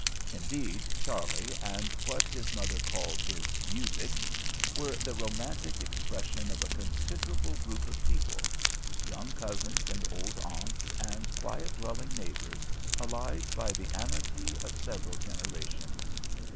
Indeed, Charley and what his mother called "his music" were the romantic expression of a considerable group of people; young cousins and old aunts and quiet dwelling neighbours, allied by the amity of several generations.